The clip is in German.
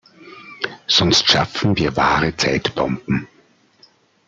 Sonst schaffen wir wahre Zeitbomben.